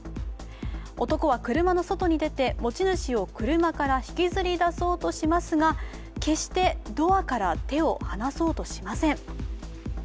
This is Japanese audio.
男は車の外に出て、持ち主を車から引きずり出そうとしますが、決してドアから手を離そうとしません。